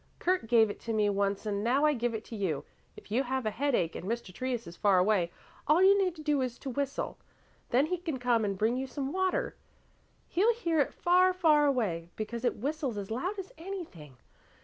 "Kurt gave it to me once and now I give it to you. If you have a headache and Mr. Trius is far away, all you need to do is to whistle. Then he can come and bring you some water. He'll hear it far, far away, because it whistles as loud as anything.